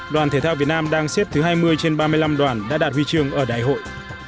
đoàn thể thao việt nam đang xếp thứ hai mươi trên ba mươi năm đoàn đã đạt huy chương ở đại hội